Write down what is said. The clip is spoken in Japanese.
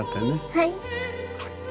はい。